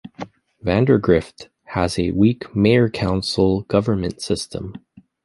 Vandergrift has a weak mayor-council government system.